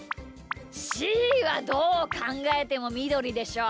しーはどうかんがえてもみどりでしょう。